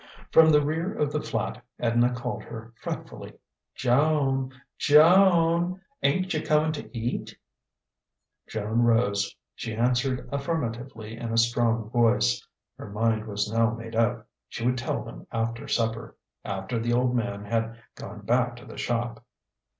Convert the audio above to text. From the rear of the flat Edna called her fretfully: "Joan! Jo an! Ain't you coming to eat?" Joan rose. She answered affirmatively in a strong voice. Her mind was now made up: she would tell them after supper after the Old Man had gone back to the shop.